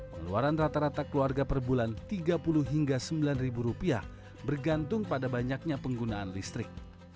keluaran rata rata keluarga perbulan rp tiga puluh hingga rp sembilan bergantung pada banyaknya penggunaan listrik